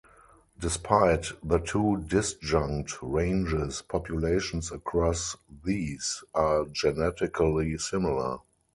Despite the two disjunct ranges, populations across these are genetically similar.